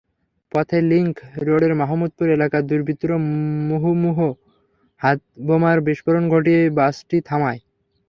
পথে লিংক রোডের মাহমুদপুর এলাকায় দুর্বৃত্তরা মুহুর্মুহু হাতবোমার বিস্ফোরণ ঘটিয়ে বাসটি থামায়।